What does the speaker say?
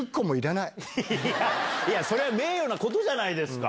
それは名誉なことじゃないですか！